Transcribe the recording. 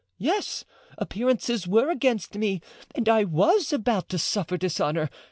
Yes, appearances were against me and I was about to suffer dishonor.